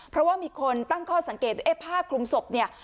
เพราะว่ามีคนตั้งข้อสังเกตว่าผ้าคลุมศพเนี่ย